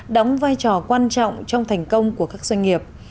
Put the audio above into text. đóng vai trò quan trọng trong thành công của các doanh nghiệp